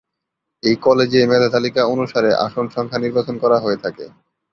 এই কলেজে মেধা তালিকা অনুসারে আসন সংখ্যা নির্বাচন করা হয়ে থাকে।